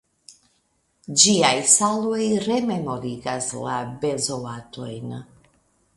Ĝiaj saloj rememorigas la benzoatojn.